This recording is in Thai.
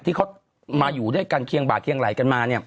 ที่เขามาอยู่ด้วยกันเคียงบ่าเคียงไหลกันมาเนี่ย